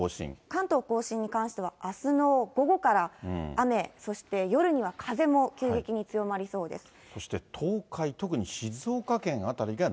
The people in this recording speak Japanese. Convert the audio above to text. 関東甲信に関しては、あすの午後から、雨そして夜には風も急激に強まりそうです。